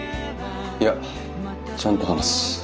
いやちゃんと話す。